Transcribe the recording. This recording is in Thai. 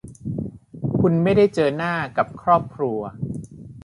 คุณไม่ได้เจอหน้ากับครอบครัว